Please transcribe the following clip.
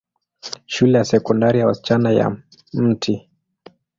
Shule ya Sekondari ya wasichana ya Mt.